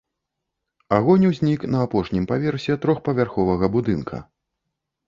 Агонь узнік на апошнім паверсе трохпавярховага будынка.